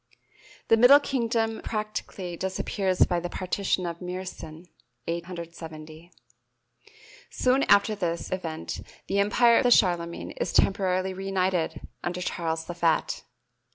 The Middle Kingdom practically disappears by the Partition of Meersen (870). Soon after this event the empire of Charlemagne is temporarily reunited under Charles the Fat.